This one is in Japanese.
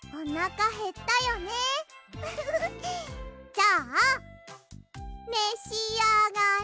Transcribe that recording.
じゃあめしあがれ。